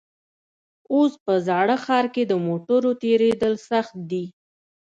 اوس په زاړه ښار کې د موټرو تېرېدل سخت دي.